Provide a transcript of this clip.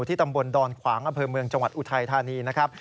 ตำบลดอนขวางอำเภอเมืองจังหวัดอุทัยธานีนะครับ